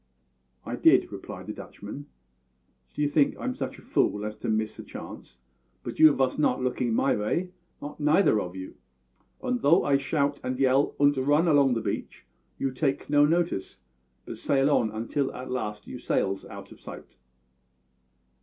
"I did," replied the Dutchman. "D'ye think I'm such a fool as to miss a chance? But you vas not look my vay, not neither of you. Und though I shout and yell und run along the beach you take no notice, but sail on until at last you sails out of sight."